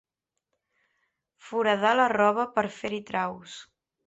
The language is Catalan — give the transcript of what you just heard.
Foradar la roba per fer-hi traus.